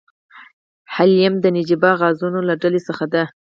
هیلیم د نجیبه غازونو له ډلې څخه دی.